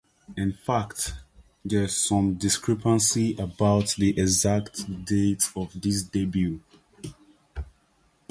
In fact, there's some discrepancy about the exact date of his debut.